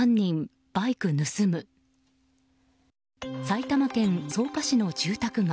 埼玉県草加市の住宅街。